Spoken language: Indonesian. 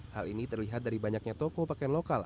hal ini terlihat dari banyaknya toko pakaian lokal